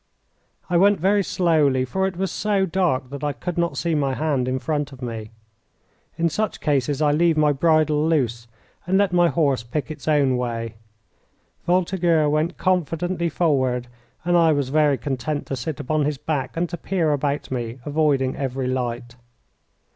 I went very slowly, for it was so dark that I could not see my hand in front of me. In such cases I leave my bridle loose and let my horse pick its own way. Voltigeur went confidently forward, and I was very content to sit upon his back and to peer about me, avoiding every light.